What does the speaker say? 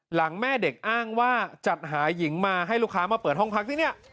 แม่เด็กอ้างว่าจัดหาหญิงมาให้ลูกค้ามาเปิดห้องพักที่นี่